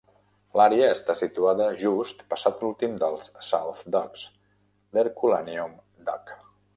L"àrea està situada just passat l"últim dels South Docks, l"Herculaneum Dock.